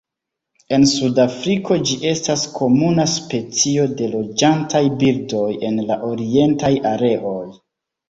En suda Afriko ĝi estas komuna specio de loĝantaj birdoj en la orientaj areoj.